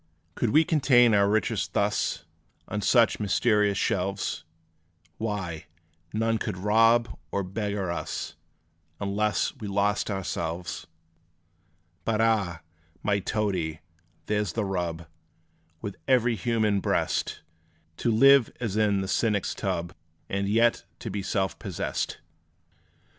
Could we contain our riches thus, On such mysterious shelves, Why, none could rob or beggar us; Unless we lost ourselves! But ah! my Toadie, there 's the rub, With every human breast To live as in the cynic's tub, And yet be self possessed!